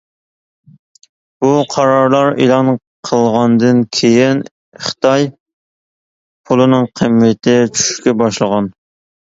بۇ قارارلار ئېلان قىلغاندىن كېيىن خىتاي پۇلىنىڭ قىممىتى چۈشۈشكە باشلىغان.